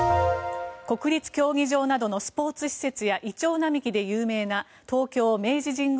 国立競技場などのスポーツ施設やイチョウ並木で有名な東京・明治神宮